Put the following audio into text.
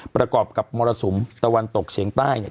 ประกอบกับมรสุมตะวันตกเฉียงใต้เนี่ย